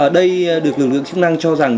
đây được lực lượng chức năng cho rằng